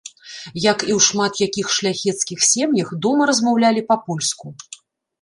Як і ў шмат якіх шляхецкіх сем'ях, дома размаўлялі па-польску.